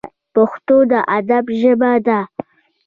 پښتو د ادب ژبه ده